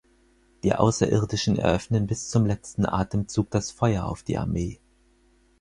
Die Außerirdischen eröffnen bis zum letzten Atemzug das Feuer auf die Armee.